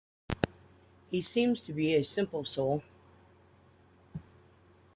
He seems to be a simple soul.